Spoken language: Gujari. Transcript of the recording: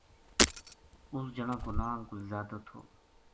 اس جنا کو ناں گل زادو تھو